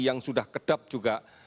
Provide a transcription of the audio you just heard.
yang sudah kedap juga